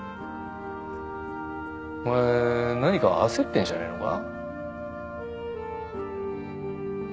お前何か焦ってるんじゃねえのか？